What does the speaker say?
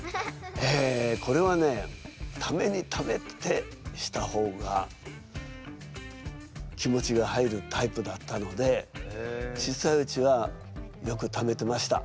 えこれはねためにためてした方が気持ちが入るタイプだったので小さいうちはよくためてました。